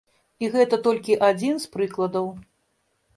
І гэта толькі адзін з прыкладаў.